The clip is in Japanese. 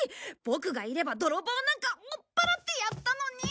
ボクがいれば泥棒なんか追っ払ってやったのに！